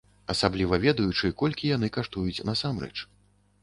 Асабліва ведаючы, колькі яны каштуюць насамрэч.